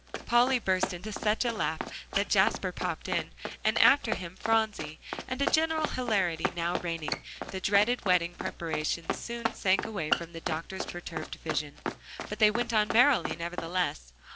Polly burst into such a laugh that Jasper popped in, and after him, Phronsie, and a general hilarity now reigning, the dreaded wedding preparations soon sank away from the doctor's perturbed vision. But they went on merrily nevertheless.